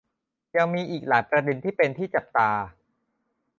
ยังมีอีกหลายประเด็นที่เป็นที่จับตา